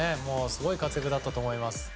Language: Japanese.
すごい活躍だったと思います。